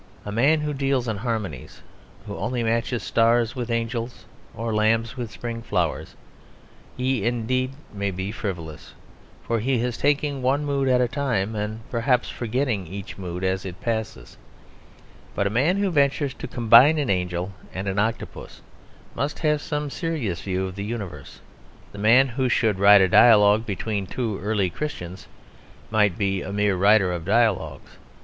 A man who deals in harmonies, who only matches stars with angels or lambs with spring flowers, he indeed may be frivolous; for he is taking one mood at a time, and perhaps forgetting each mood as it passes. But a man who ventures to combine an angel and an octopus must have some serious view of the universe. The man who should write a dialogue between two early Christians might be a mere writer of dialogues.